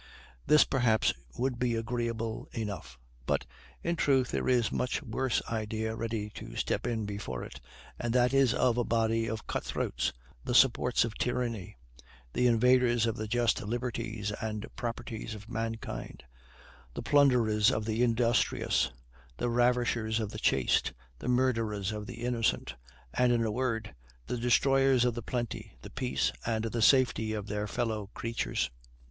This, perhaps, would be agreeable enough; but, in truth, there is a much worse idea ready to step in before it, and that is of a body of cut throats, the supports of tyranny, the invaders of the just liberties and properties of mankind, the plunderers of the industrious, the ravishers of the chaste, the murderers of the innocent, and, in a word, the destroyers of the plenty, the peace, and the safety, of their fellow creatures.